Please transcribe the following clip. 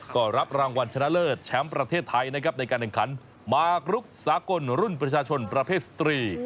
ก็รับรางวัลชนะเลิศแชมป์ประเทศไทยนะครับในการแข่งขันมากรุกสากลรุ่นประชาชนประเภทสตรี